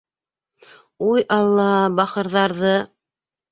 — Уй Алла, бахырҙарҙы!